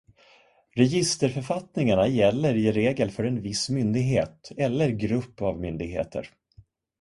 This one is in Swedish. Registerförfattningarna gäller i regel för en viss myndighet eller grupp av myndigheter.